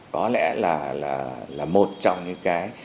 có lẽ là một trong những cái